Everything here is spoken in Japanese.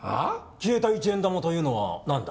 消えた一円玉というのは何だ？